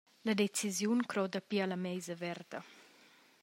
La decisiun croda pia alla meisa verda.